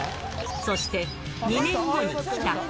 そして２年後に帰宅。